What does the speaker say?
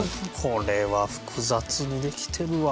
これは複雑にできてるわ。